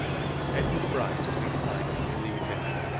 Edward Bryce was inclined to believe him.